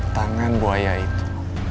tangan buaya itu